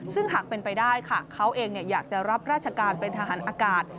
ซึ่งหากเป็นไปได้ค่ะเขาเองอยากจะรับราชการเป็นทหารอากาศ